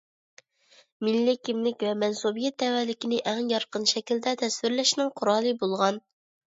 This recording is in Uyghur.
مىللىي كىملىك ۋە مەنسۇبىيەت تەۋەلىكىنى ئەڭ يارقىن شەكىلدە تەسۋىرلەشنىڭ قورالى بولغان.